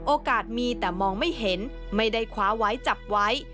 โอกาสมีแต่มองไม่เห็นไม่ได้คว้าไว้จับไว้